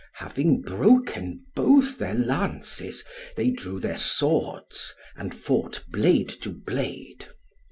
Having broken both their lances, they drew their swords, and fought blade to blade.